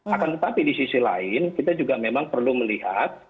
akan tetapi di sisi lain kita juga memang perlu melihat